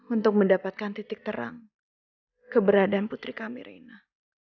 untuk mendapatkan titik terang keberadaan putri kami reina